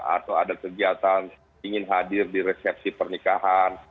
atau ada kegiatan ingin hadir di resepsi pernikahan